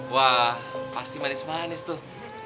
wah pasti manis manis tuh